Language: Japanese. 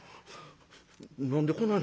「何でこない